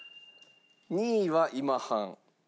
２位は今半。